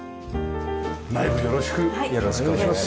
内部よろしくお願いします。